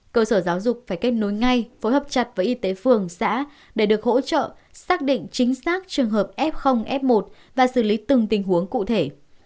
cơ sở giáo dục phải kết nối ngay phối hợp chặt với y tế phường xã để được hỗ trợ xác định chính xác trường hợp f f một và xử lý từng tình huống cụ thể